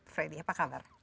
freddy apa kabar